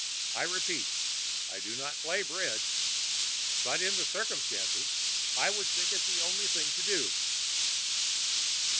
I repeat, I do not play bridge. But in the circumstances, I should think it the only thing to do."